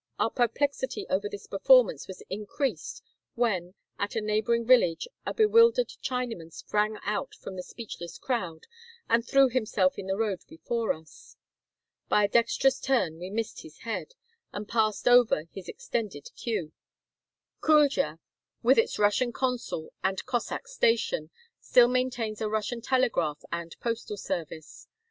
Our perplexity over this performance was increased when, at a neighboring village, a bewildered Chinaman sprang out from the speechless crowd, and threw himself in the road before us. By a dexterous turn we missed his head, and passed over his extended queue. TWO CATHOLIC MISSIONARIES IN THE YARD OF OUR KULDJA INN. Kuldja, with its Russian consul and Cossack station, still maintains a Russian telegraph and postal service.